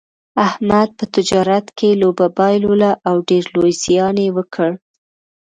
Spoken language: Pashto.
احمد په تجارت کې لوبه بایلوله او ډېر لوی زیان یې وکړ.